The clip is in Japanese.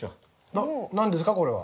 な何ですかこれは？